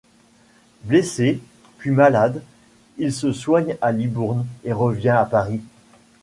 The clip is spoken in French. Blessé, puis malade, il se soigne à Libourne et revient à Paris.